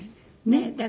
ねえ？